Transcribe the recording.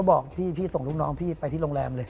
บอกพี่พี่ส่งลูกน้องพี่ไปที่โรงแรมเลย